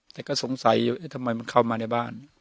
แต่ก็สงสัยอยู่ทำไมมันเข้ามาในบ้าน